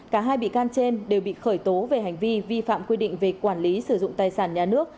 cả hai bị can trên đều bị khởi tố về hành vi vi phạm quy định về quản lý sử dụng tài sản nhà nước